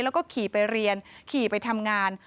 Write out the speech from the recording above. แล้วก็ขี่ไปเรียนขี่ไปทำงาน